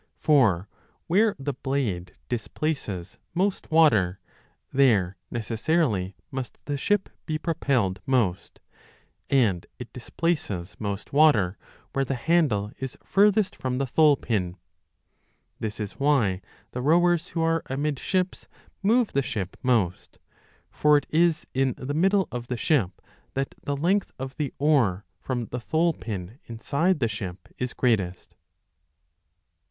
For where the blade displaces most water, there neces sarily must the ship be propelled most ; and it displaces 25 most water where the handle is furthest from the thole pin. This is why the rowers who are amidships move the ship most ; for it is in the middle of the ship that the length of the oar from the thole pin inside the ship is greatest.